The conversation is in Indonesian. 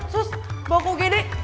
sus bawa ke ugd